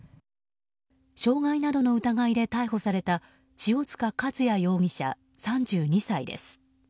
傷害などの疑いで逮捕された塩塚和也容疑者、３２歳です。